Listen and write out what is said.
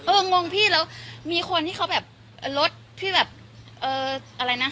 งงพี่แล้วมีคนที่เขาแบบรถพี่แบบเอออะไรนะ